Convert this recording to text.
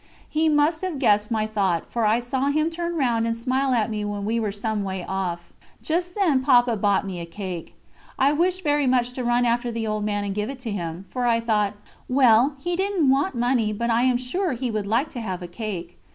He must have guessed my thought, for I saw him turn round and smile at me when we were some way off. Just then Papa bought me a cake. I wished very much to run after the old man and give it to him, for I thought: "Well, he did not want money, but I am sure he would like to have a cake."